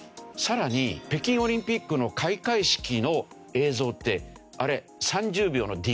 さらに北京オリンピックの開会式の映像ってあれ。